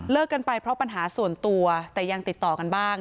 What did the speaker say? กันไปเพราะปัญหาส่วนตัวแต่ยังติดต่อกันบ้าง